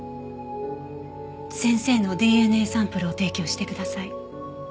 先生のＤＮＡサンプルを提供してください。